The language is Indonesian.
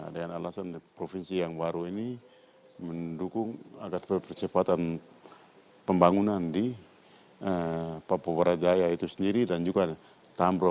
dengan alasan provinsi yang baru ini mendukung agar percepatan pembangunan di papua barat daya itu sendiri dan juga tambro